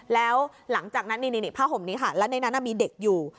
แล้วหลังจากนั้นนี่ผ้าห่มนี้ค่ะแล้วในนั้นมีเด็กอยู่